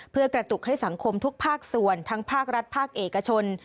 เพื่อกระตุกให้สังคมทุกภาคส่วนทั้งภาครัฐภาคเอกชน